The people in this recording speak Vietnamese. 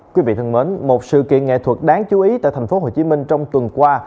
quý vị thân mến một sự kiện nghệ thuật đáng chú ý tại tp hcm trong tuần qua